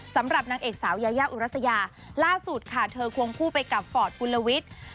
สำหรับนางเอกสาวยายาอุรัสยาล่าสุดค่ะเธอควงคู่ไปกับฟอร์ดกุลวิทย์